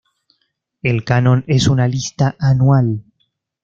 El Canon es una lista anual.